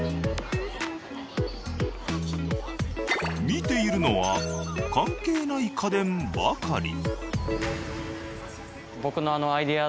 見ているのは関係ない家電ばかり。